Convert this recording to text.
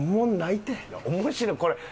いや面白いこれ。